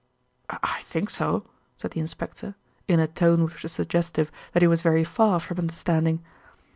"I think so," said the inspector, in a tone which was suggestive that he was very far from understanding.